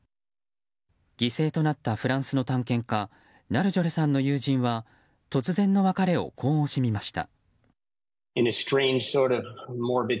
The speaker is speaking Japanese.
犠牲となったフランスの探検家ナルジョレさんの友人は突然の別れを、こう惜しみました。